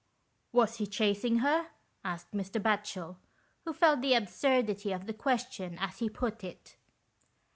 " Was he chasing her ?" asked Mr. Batchel, who felt the absurdity of the question as he put it.